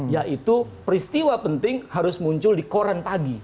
yaitu peristiwa penting harus muncul di koran pagi